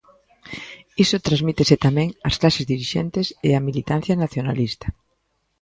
Iso transmítese tamén ás clases dirixentes e á militancia nacionalista.